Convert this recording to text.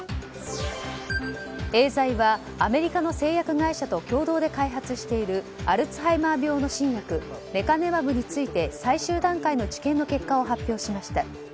エーザイはアメリカの製薬会社と共同で開発しているアルツハイマー病の新薬レカネマブについて最終段階の治験の結果を発表しました。